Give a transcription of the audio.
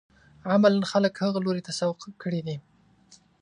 عملاً خلک هغه لوري ته سوق کړي دي.